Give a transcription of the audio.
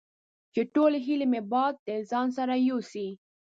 چې ټولې هیلې مې باد د ځان سره یوسي